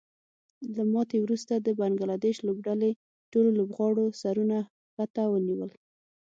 له ماتې وروسته د بنګلادیش لوبډلې ټولو لوبغاړو سرونه ښکته ونیول